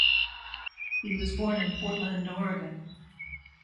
He was born in Portland, Oregon.